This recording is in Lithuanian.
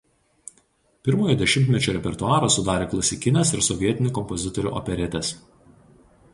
Pirmojo dešimtmečio repertuarą sudarė klasikinės ir sovietinių kompozitorių operetės.